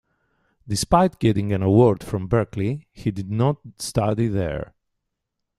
Despite getting an award from Berklee, he did not study there.